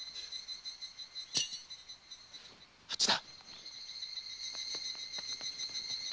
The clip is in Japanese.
こっちだ！